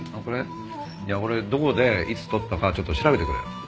これこれどこでいつ撮ったかちょっと調べてくれよ。